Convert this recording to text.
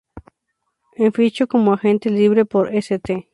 En fichó como agente libre por St.